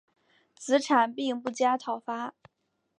子产并不加讨伐。